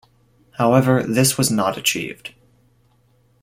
However, this was not achieved.